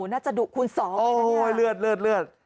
น่าจะดุคูณสองโอ้โหเลือดเลือด